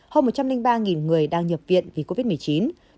hơn một trăm linh ba người đang nhập viện vì covid một mươi chín